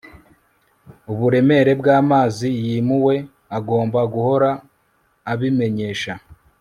uburemere bw'amazi yimuwe agomba guhora abimenyesha